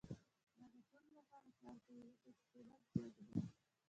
دا د ټولو لپاره کار کوي، ځکه یې قیمت جیګ ده